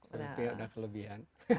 tapi ada kelebihan